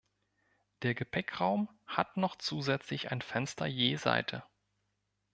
Der Gepäckraum hat noch zusätzlich ein Fenster je Seite.